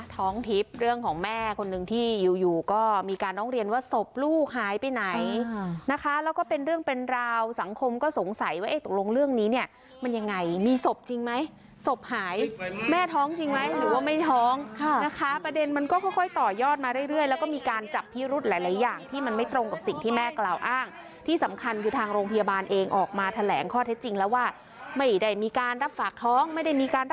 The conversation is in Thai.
ท้องทิพย์เรื่องของแม่คนหนึ่งที่อยู่ก็มีการต้องเรียนว่าสบลูกหายไปไหนนะคะแล้วก็เป็นเรื่องเป็นราวสังคมก็สงสัยว่าตกลงเรื่องนี้เนี่ยมันยังไงมีสบจริงไหมสบหายแม่ท้องจริงไหมหรือว่าไม่ท้องนะคะประเด็นมันก็ค่อยต่อยอดมาเรื่อยแล้วก็มีการจับพิรุธหลายอย่างที่มันไม่ตรงกับสิ่งที่แม่กล่าวอ้างท